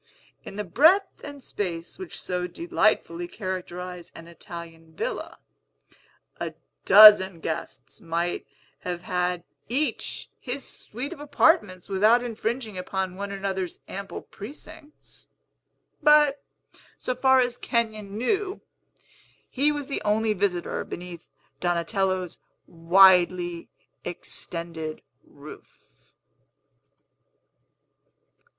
In the breadth and space which so delightfully characterize an Italian villa, a dozen guests might have had each his suite of apartments without infringing upon one another's ample precincts. But, so far as Kenyon knew, he was the only visitor beneath Donatello's widely extended roof.